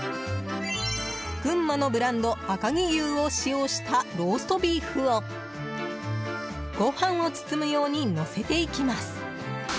群馬のブランド、赤城牛を使用したローストビーフをご飯を包むようにのせていきます。